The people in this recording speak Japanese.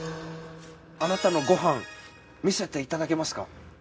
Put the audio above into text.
あなたのご飯見せていただけますか？